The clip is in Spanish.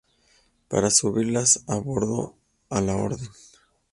para subirlas a bordo. a la orden.